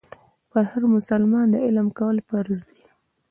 پر هر مسلمان د علم کول فرض دي.